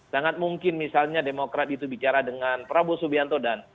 sangat mungkin misalnya demokrat itu bicara dengan prabowo subianto dan